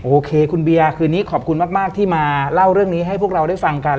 โอเคคุณเบียร์คืนนี้ขอบคุณมากที่มาเล่าเรื่องนี้ให้พวกเราได้ฟังกัน